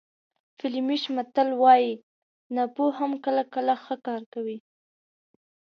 فلیمیش متل وایي ناپوه هم کله کله ښه کار کوي.